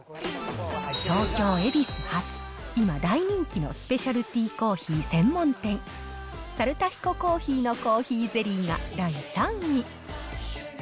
東京・恵比寿発、今、大人気のスペシャルティコーヒー専門店、猿田彦珈琲のコーヒーゼリーが第３位。